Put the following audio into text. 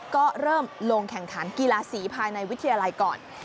ก็เริ่มลงแข่งขันกีฬาสีภายในวิทยาลัยก่อน